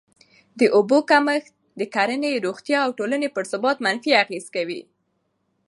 د اوبو کمښت د کرهڼې، روغتیا او ټولني پر ثبات منفي اغېز کوي.